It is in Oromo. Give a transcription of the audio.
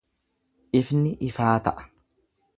Ifni ifaa ta’a.